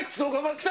来た？